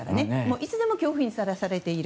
いつでも恐怖にさらされている。